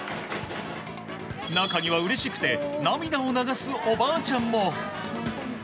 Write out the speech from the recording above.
中には、うれしくて涙を流すおばあちゃんも。